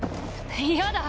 嫌だ。